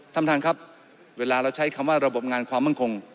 ท่านประธานครับเวลาเราใช้คำว่าระบบงานความมั่นคง